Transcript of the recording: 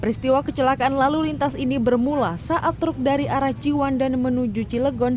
peristiwa kecelakaan lalu lintas ini bermula saat truk dari arah ciwandan menuju cilegon